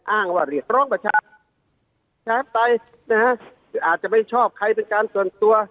อ้างว่าเรียกร้องประชาชนใช้ไปนะฮะคืออาจจะไม่ชอบใครเป็นการส่วนตัว